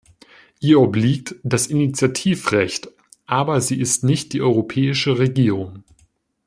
Ihr obliegt das Initiativrecht, aber sie ist nicht die europäische Regierung.